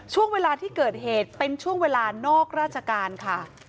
ช่วงเวลาที่เกิดเหตุเป็นช่วงเวลานอกราชการค่ะ